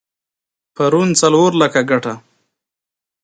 پرون څلور لکه ګټه؛